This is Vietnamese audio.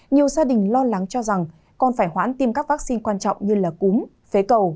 nhiều gia đình lo lắng cho rằng còn phải hoãn tiêm các vaccine quan trọng như là cúm phế cầu